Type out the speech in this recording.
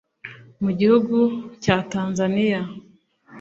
Mu gihugu cya Tanzania